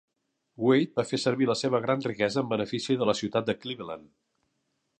Wade va fer servir la seva gran riquesa en benefici de la ciutat de Cleveland.